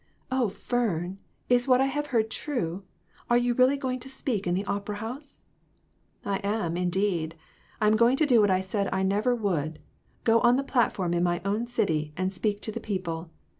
"Oh, Fern, is what I have heard true? Are you really going to speak in the opera house?" " I am, indeed. I am going to do what I said I never would go on the platform in my own city, and speak to the people.